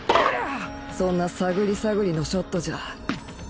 そんな探り探りのショットじゃ。